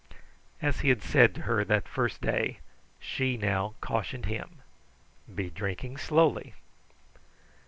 As he had said to her that first day, she now cautioned him: "Be drinking slowly."